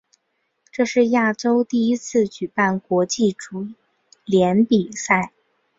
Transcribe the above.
这是亚洲第一次举办国际足联比赛。